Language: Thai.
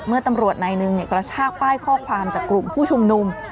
เมื่อตำรวจนายนึงเนี่ยกระชากป้ายข้อความจากกลุ่มผู้ชมนุม